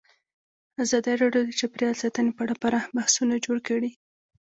ازادي راډیو د چاپیریال ساتنه په اړه پراخ بحثونه جوړ کړي.